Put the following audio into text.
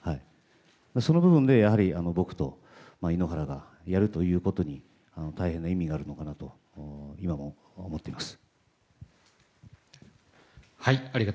その部分で僕と井ノ原がやるということに大変な意味があるのかなと今も思っています。